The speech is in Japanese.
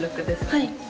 はい。